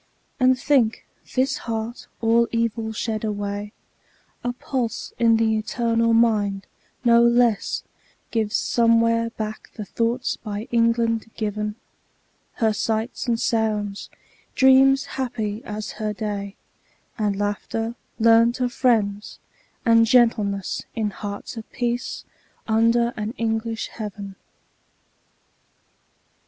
And think, this heart, all evil shed away, A pulse in the eternal mind, no less Gives somewhere back the thoughts by England given; Her sights and sounds; dreams happy as her day; And laughter, learnt of friends; and gentleness, In hearts at peace, under an English heaven.